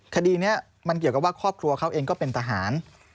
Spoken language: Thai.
คดีนี้มันเกี่ยวกับว่าครอบครัวเขาเองก็เป็นทหาร